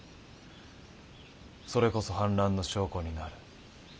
それこそ反乱の証拠になる。